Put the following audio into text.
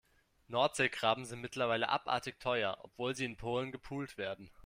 Nordseekrabben sind mittlerweile abartig teuer, obwohl sie in Polen gepult werden.